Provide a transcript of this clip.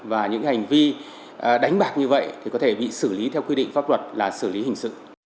và những hành vi đánh bạc như vậy thì có thể bị xử lý theo quy định pháp luật là xử lý hình sự